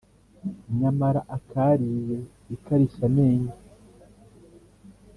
nyamara akariye ikarishyamenge